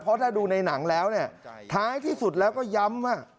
เพราะถ้าดูในหนังแล้วเนี่ยท้ายที่สุดแล้วก็ย้ำว่า